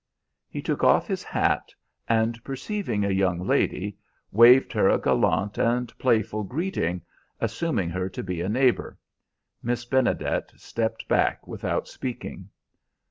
He took off his hat, and perceiving a young lady, waved her a gallant and playful greeting, assuming her to be a neighbor. Miss Benedet stepped back without speaking.